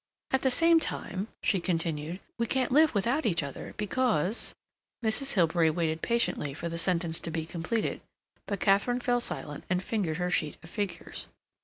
At the same time," she continued, "we can't live without each other, because—" Mrs. Hilbery waited patiently for the sentence to be completed, but Katharine fell silent and fingered her sheet of figures.